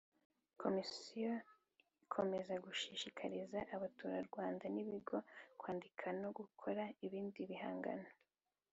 Komisiyo ikomeje gushishikariza abaturarwanda n ibigo kwandika no gukora ibindi bihangano